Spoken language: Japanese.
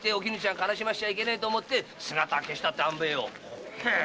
悲しませちゃいけねえと思って姿消したって塩梅よ。